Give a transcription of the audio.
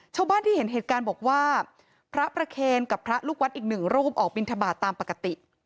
ชาวบ้านที่เห็นเหตุการณ์บอกว่าพระประเคนกับพระลูกวัดอีกหนึ่งรูปออกบินทบาทตามปกติ